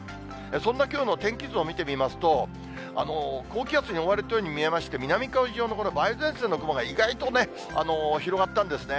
そんなきょうの天気図を見てみますと、高気圧に覆われたように見えまして、南海上の梅雨前線の雲が意外とね、広がったんですね。